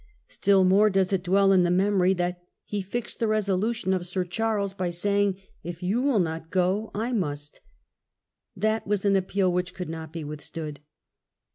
Still more does it dwell in the memory CHAP. XI " GENIUS OF THE COUNTRY'' 251 that he fixed the resolution of Sir Charles by saying, " If you will not go, I must." That was an appeal which could not be withstood.